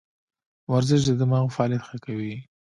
ورزش د دماغو فعالیت ښه کوي.